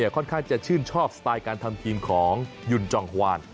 ค่อนข้างจะชื่นชอบสไตล์การทำทีมของยุนจองฮวาน